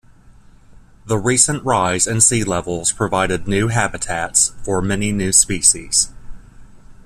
The recent rise in sea levels provided new habitats for many new species.